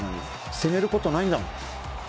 攻めることないんだもん。